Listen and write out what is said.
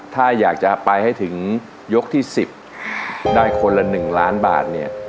ถ้าอยากจะไปให้ถึงยกที่๑๐ได้คนละ๑ล้านบาทเนี่ย